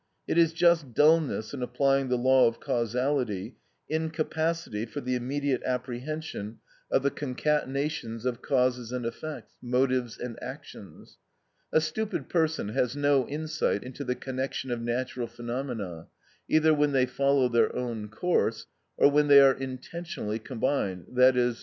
It is just dulness in applying the law of causality, incapacity for the immediate apprehension of the concatenations of causes and effects, motives and actions. A stupid person has no insight into the connection of natural phenomena, either when they follow their own course, or when they are intentionally combined, _i.e.